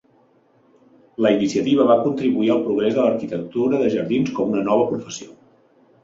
La iniciativa va contribuir al progrés de l'arquitectura de jardins com una nova professió.